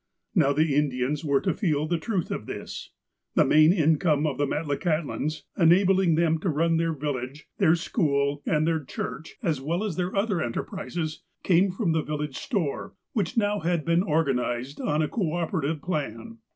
Now the Indians were to feel the truth of this : The main income of the Metlakahtlans, enabling them to run their village, their school, and their church, as THE SERPENT 271 well as their other enterprises, came from the village store, which now had been orgaDized on a cooperative plan.